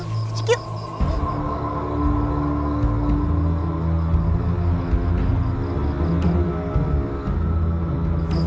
tunggu jangan jangan